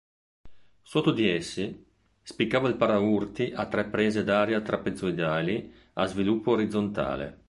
Sotto di essi, spiccava il paraurti a tre prese d'aria trapezoidali a sviluppo orizzontale.